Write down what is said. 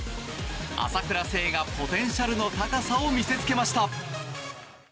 朝倉聖がポテンシャルの高さを見せつけました。